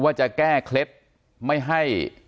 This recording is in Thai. การแก้เคล็ดบางอย่างแค่นั้นเอง